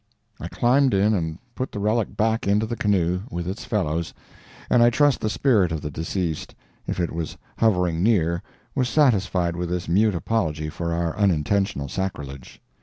I climbed in and put the relic back into the canoe, with its fellows, and I trust the spirit of the deceased, if it was hovering near, was satisfied with this mute apology for our unintentional sacrilege.